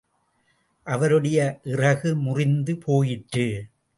அவருடைய இறகு முறிந்து போயிற்று.